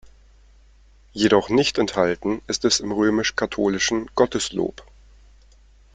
Jedoch nicht enthalten ist es im römisch-katholischen "Gotteslob".